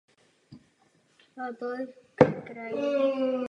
Nevýhodné jsou vyšší pořizovací náklady a stále omezený dojezd.